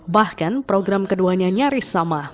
bahkan program keduanya nyaris sama